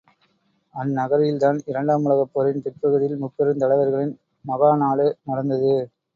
அந்நகரில்தான், இரண்டாம் உலகப் போரின் பிற்பகுதியில் முப்பெருந் தலைவர்களின் மகாநாடு நடந்தது.